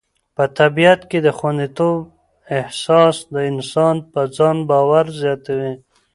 په طبیعت کې د خوندیتوب احساس د انسان په ځان باور زیاتوي.